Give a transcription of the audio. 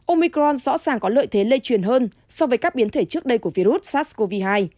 omicron rõ ràng có lợi thế lây truyền hơn so với các biến thể trước đây của virus sars cov hai